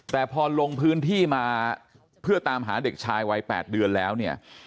แต่พอลงพื้นที่มาเพื่อตามหาเด็กชายวัย๘เดือนแล้วเนี่ย